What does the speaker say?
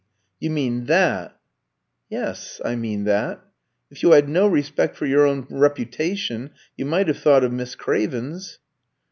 You mean that." "Yes; I mean that. If you had no respect for your own reputation, you might have thought of Miss Craven's."